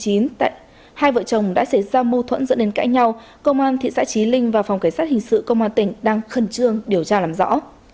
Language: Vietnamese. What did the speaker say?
hai vợ chồng đã xảy ra mâu thuẫn dẫn đến cãi nhau công an thị xã trí linh và phòng cảnh sát hình sự công an tỉnh đang khẩn trương điều tra làm rõ